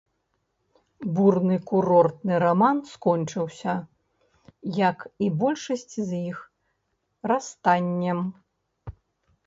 Бурны курортны раман скончыўся, як і большасць з іх, расстаннем.